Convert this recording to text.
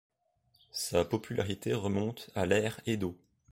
Sa popularité remonte à l'ère Edo.